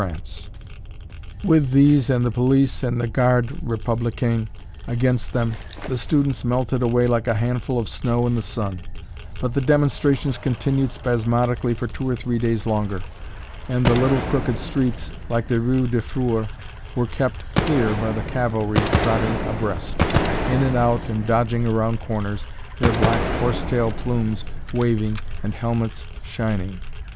[Illustration: ÉCOLE DES BEAUX ARTS] With these and the police and the Garde Républicaine against them, the students melted away like a handful of snow in the sun; but the demonstrations continued spasmodically for two or three days longer, and the little crooked streets, like the rue du Four, were kept clear by the cavalry trotting abreast in and out and dodging around corners their black horse tail plumes waving and helmets shining.